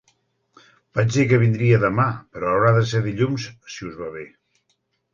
Vaig dir que vindria demà però haurà de ser dilluns, si us va bé.